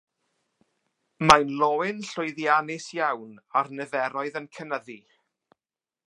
Mae'n löyn llwyddiannus iawn a'r niferoedd yn cynyddu.